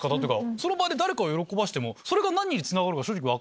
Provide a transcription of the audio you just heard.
その場で誰かを喜ばしてもそれが何につながるか分かんない。